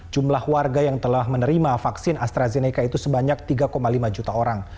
jumlah warga yang telah menerima vaksin astrazeneca itu sebanyak tiga lima juta orang